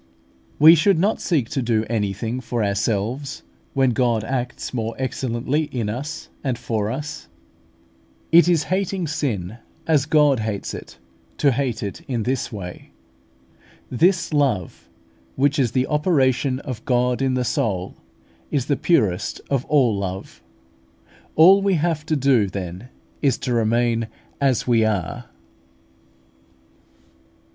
We should not seek to do anything for ourselves when God acts more excellently in us and for us. It is hating sin as God hates it to hate it in this way. This love, which is the operation of God in the soul, is the purest of all love. All we have to do then is to remain as we are.